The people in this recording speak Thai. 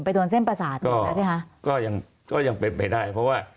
ไปโดนเส้นประสาทแล้วใช่หะก็ยังยังเป็นไปได้เพราะว่า